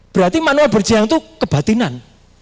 berarti manual berjiang itu kebatinan